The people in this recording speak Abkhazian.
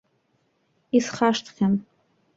Исхашҭхьан.